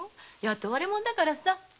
雇われ者だからさ。